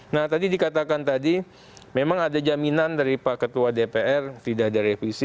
nah tadi dikatakan tadi memang ada jaminan dari pak ketua dpr tidak ada revisi